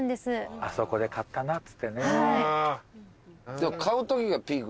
あそこで買ったなっつってね。